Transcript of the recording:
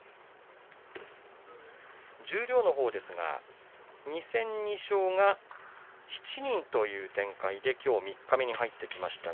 十両のほうですが２戦２勝が７人という展開できょう三日目に入ってきています。